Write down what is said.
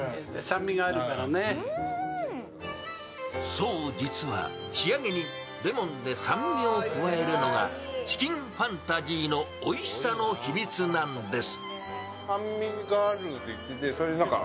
そう、実は仕上げにレモンで酸味を加えるのがチキンファンタジーのおいしさの秘密なんです。